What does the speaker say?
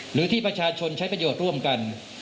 หรือที่ประชาชนใช้ประโยชน์ร่วมกัน